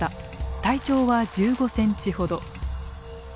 体長は１５センチほど。